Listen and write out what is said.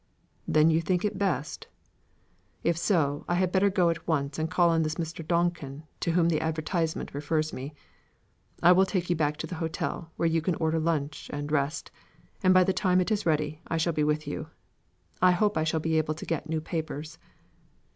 "Then you think it the best? If so, I had better go at once and call on this Mr. Donkin, to whom the advertisement refers me. I will take you back to the hotel, where you can order lunch, and rest, and by the time it is ready, I shall be with you. I hope I shall be able to get new papers."